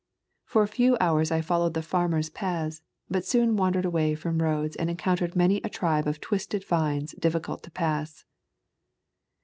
For a few hours I followed the farmers' paths, but soon wan dered away from roads and encountered many a tribe of twisted vines difficult to pass.